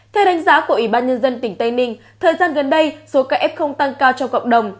theo đánh giá của ủy ban nhân dân tỉnh tây ninh thời gian gần đây số ca f tăng cao trong cộng đồng